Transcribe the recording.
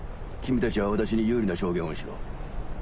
君たちは私に有利な証言をしろ。